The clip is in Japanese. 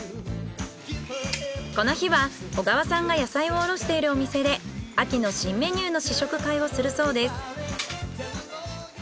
この日は小川さんが野菜を卸しているお店で秋の新メニューの試食会をするそうです。